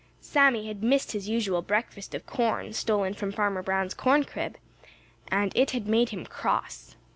Sammy had missed his usual breakfast of corn stolen from Farmer Brown's corn crib, and it had made him cross.